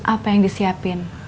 apa yang disiapin